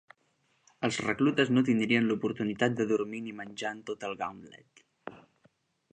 Els reclutes no tindrien l'oportunitat de dormir ni menjar en tot el Gauntlet.